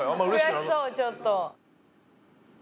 悔しそうちょっと。